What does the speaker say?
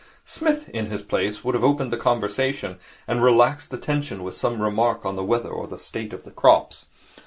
Psmith, in his place, would have opened the conversation, and relaxed the tension with some remark on the weather or the state of the crops.